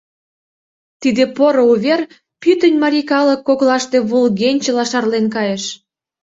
Тиде поро увер пӱтынь марий калык коклаште волгенчыла шарлен кайыш.